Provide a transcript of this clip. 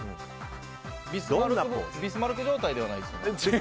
ビスマルク状態ではないですよね。